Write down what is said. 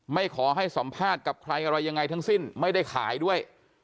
ไม่ขอให้สัมภาษณ์กับใครอะไรยังไงทั้งสิ้นไม่ได้ขายด้วย